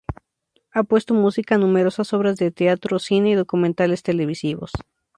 Ha puesto música a numerosas obras de teatro, cine y documentales televisivos.